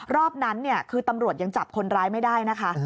รอบนั้นคือตำรวจยังจับคนร้ายไม่ได้นะคะ